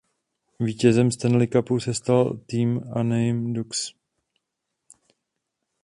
Vítězem Stanley Cupu se stal tým Anaheim Ducks.